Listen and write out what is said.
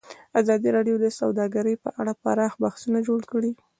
ازادي راډیو د سوداګري په اړه پراخ بحثونه جوړ کړي.